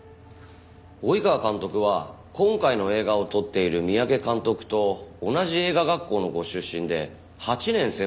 及川監督は今回の映画を撮っている三宅監督と同じ映画学校のご出身で８年先輩にあたるそうですね。